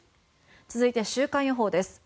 続いて週間予報です。